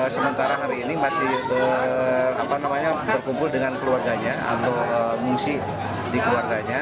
sementara hari ini masih berkumpul dengan keluarganya atau mengungsi di keluarganya